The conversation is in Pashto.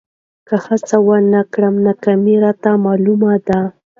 که زه هڅه ونه کړم، ناکامي راته معلومه ده.